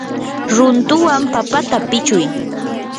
runtuwan papata pichuy.